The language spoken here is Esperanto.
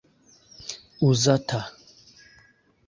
uzata